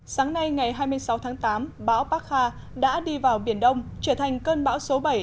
sáng nay ngày hai mươi sáu tháng tám bão parkha đã đi vào biển đông trở thành cơn bão số bảy